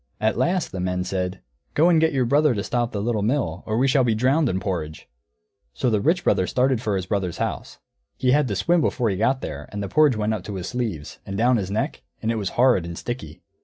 At last the men said, "Go and get your brother to stop the Little Mill, or we shall be drowned in porridge." So the Rich Brother started for his brother's house. He had to swim before he got there, and the porridge went up his sleeves, and down his neck, and it was horrid and sticky.